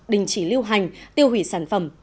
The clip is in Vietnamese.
đình chỉ lưu hành tiêu hủy sản phẩm